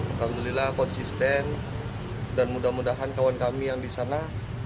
alhamdulillah konsisten dan mudah mudahan kawan kami yang di sana